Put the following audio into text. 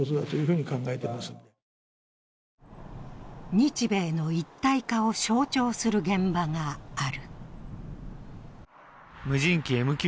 日米の一体化を象徴する現場がある。